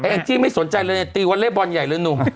แอ่งจี้ไม่สนใจเลยตีวัลเล่บอลใหญ่เลยนุ้ง